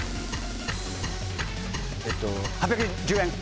えっと８１０円！